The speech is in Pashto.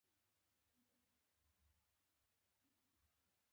رومیان هر موسم کې پیدا کېږي